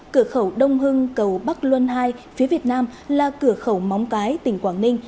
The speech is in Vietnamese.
cửa khẩu đông hưng cầu bắc luân ii phía việt nam là cửa khẩu móng cái tỉnh quảng ninh